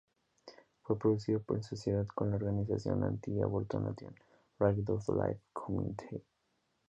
Fue producido en sociedad con la organización anti aborto National Right to Life Committee.